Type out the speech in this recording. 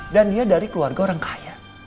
dan dia dari keluarga orang kaya